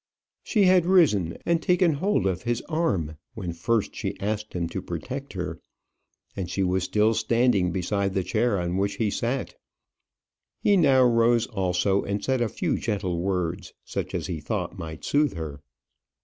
She had risen and taken hold of his arm when first she asked him to protect her, and she was still standing beside the chair on which he sat. He now rose also, and said a few gentle words, such as he thought might soothe her.